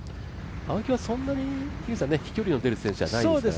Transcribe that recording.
青木はそんなに飛距離の出る選手じゃないですよね。